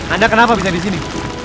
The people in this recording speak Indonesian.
anda kenapa bisa disini